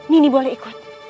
nini boleh ikut